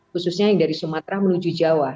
khususnya yang dari sumatera menuju jawa